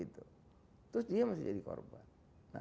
terus dia masih jadi korban